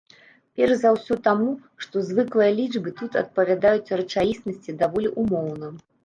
Перш за ўсё таму, што звыклыя лічбы тут адпавядаюць рэчаіснасці даволі ўмоўна.